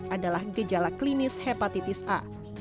adalah gejala klinis hepatitis a